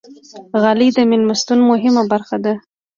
غالۍ د میلمستون مهمه برخه ده.